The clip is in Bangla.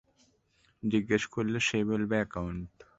জিজ্ঞেস করলে সে বলবে একাউন্ট।